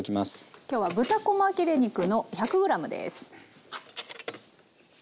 今日は豚こま切れ肉の１００ｇです。